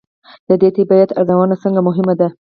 د دې طبیعت ارزونه ځکه مهمه ده.